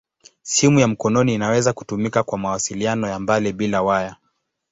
Simu ya mkononi inaweza kutumika kwa mawasiliano ya mbali bila waya.